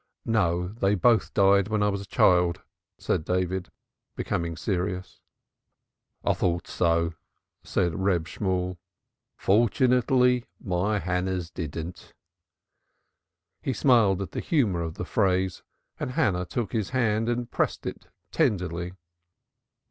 "No, they both died when I was a child," said David, becoming serious. "I thought so!" said Reb Shemuel. "Fortunately my Hannah's didn't." He smiled at the humor of the phrase and Hannah took his hand and pressed it tenderly.